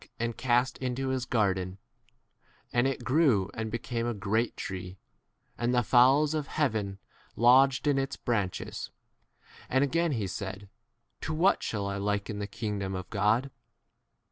and cast into his garden ; and it grew and became a great tree, and the fowls of heaven lodged in its 20 branches. And again he said, To what shall I liken the kingdom 21 of God